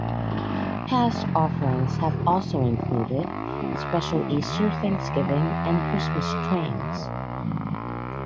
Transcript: Past offerings have also included special Easter, Thanksgiving, and Christmas trains.